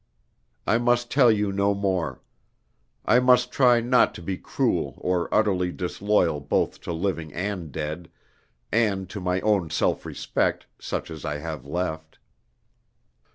I must tell you no more. I must try not to be cruel or utterly disloyal both to living and dead and to my own self respect, such as I have left.